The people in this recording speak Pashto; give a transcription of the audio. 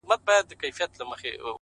لوړ اخلاق خاموش عزت دی،